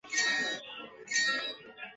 常青车辆段预留有上盖物业开发条件。